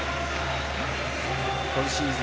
今シーズン